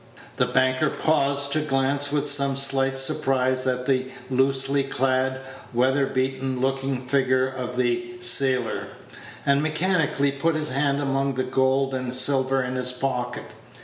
The banker paused to glance with some slight surprise at the loosely clad, weather beaten looking figure of the sailor, and mechanically put his hand among the gold and silver in his pocket.